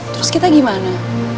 terus kita gimana